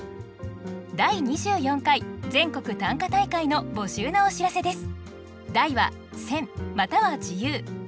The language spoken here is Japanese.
第２４回全国短歌大会の募集のお知らせです